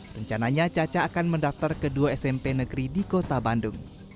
rencananya caca akan mendaftar ke dua smp negeri di kota bandung